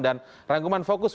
dan rangkuman fokus